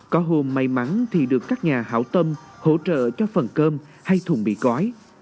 có hôm may mắn thì được các nhà hảo tâm hỗ trợ cho phần cơm hay thùng bị cói